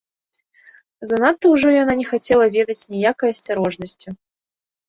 Занадта ўжо яна не хацела ведаць ніякай асцярожнасці.